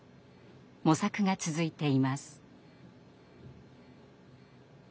模索が続いています。